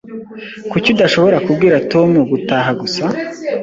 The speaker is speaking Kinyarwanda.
Kuki udashobora kubwira Tom gutaha gusa?